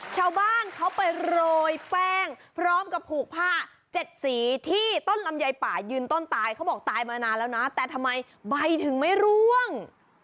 ชาวบ้านเขาไปโรยแป้งพร้อมกับผูกผ้าเจ็ดสีที่ต้นลำไยป่ายืนต้นตายเขาบอกตายมานานแล้วนะแต่ทำไมใบถึงไม่ร่วง